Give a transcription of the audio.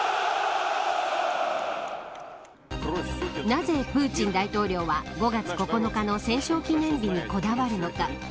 なぜ、プーチン大統領は５月９日の戦勝記念日にこだわるのか。